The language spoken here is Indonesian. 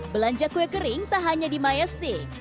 belanja kue kering tak hanya di mayastik